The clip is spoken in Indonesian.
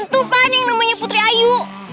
tuh pan yang namanya putri ayu